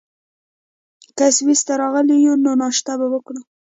که سویس ته راغلي یو، نو ناشته به وکړو.